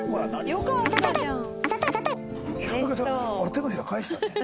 手のひら返したね。